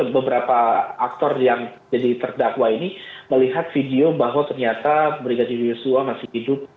beberapa aktor yang jadi terdakwa ini melihat video bahwa ternyata brigadir yosua masih hidup